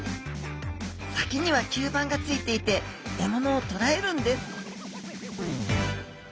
先には吸盤がついていて獲物をとらえるんです